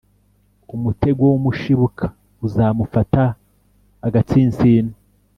umutego w’umushibuka uzamufata agatsinsino,